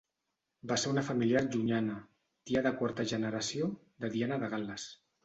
Va ser una familiar llunyana, tia de quarta generació, de Diana de Gal·les.